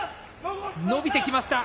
伸びてきました。